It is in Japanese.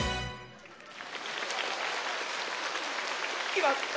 きまった。